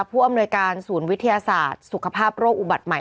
ผู้อำนวยการศูนย์วิทยาศาสตร์สุขภาพโรคอุบัติใหม่